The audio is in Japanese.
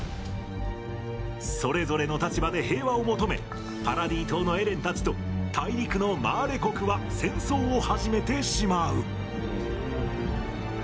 それぞれの立場で平和を求めパラディ島のエレンたちと大陸のマーレ国は戦争を始めてしまう。